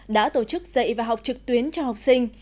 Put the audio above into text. đã tổ chức dạy và học trực tuyến cho học sinh